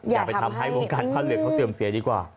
อย่าไปทำให้วงการผ้าเหลืองเขาเสื่อมเสียดีกว่า